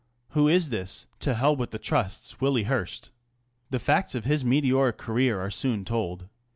Who is this "To Hell with the Trusts Wil Hearst "? The facts of his meteoric career are soon told.